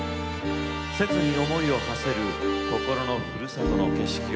切に思いをはせる心のふるさとの景色を歌います。